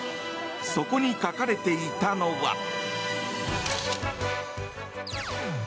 そこに書かれていたのは。